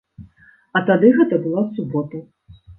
А тады гэта была субота.